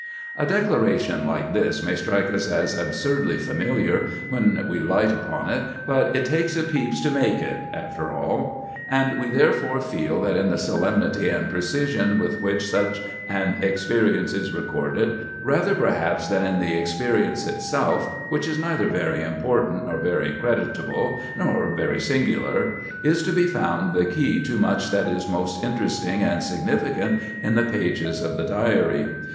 A declaration like this may strike us as absurdly familiar when we light upon it, but it takes a Pepys to make it, after all; and we therefore feel that in the solemnity and precision with which such an experience is recorded, rather perhaps than in the experience itself, which is neither very important, nor very creditable, nor very singular, is to be found the key to much that is most interesting and significant in the pages of the Diary.